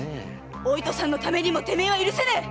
お糸さんのためにもてめえは許せねえ！